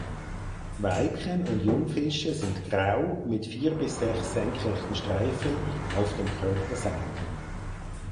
Weibchen und Jungfische sind grau mit vier bis sechs senkrechten Streifen auf den Körperseiten.